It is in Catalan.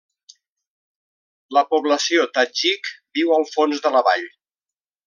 La població tadjik viu al fons de la vall.